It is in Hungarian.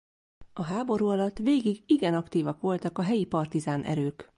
A háború alatt végig igen aktívak voltak a helyi partizán erők.